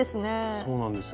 そうなんですよ